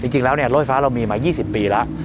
จริงแล้วรถไฟฟ้าเรามีมา๒๐ปีแล้ว